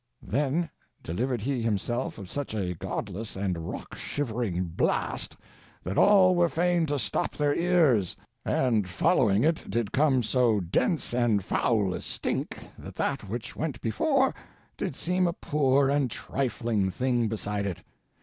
[Then delivered he himself of such a godless and rock shivering blast that all were fain to stop their ears, and following it did come so dense and foul a stink that that which went before did seem a poor and trifling thing beside it.